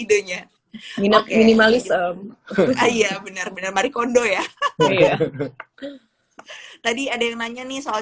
gendengnya minat minimalisme iya bener bener mari kondo ya tadi ada yang nanya nih soal